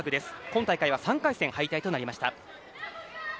今大会は３回戦敗退となりました。